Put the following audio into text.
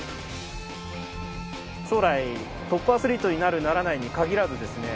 将来トップアスリートになるならないに限らずですね